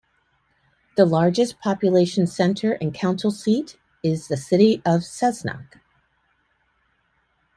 The largest population centre and council seat is the city of Cessnock.